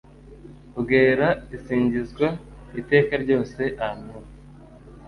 Bwera isingizwa iteka ryose Amen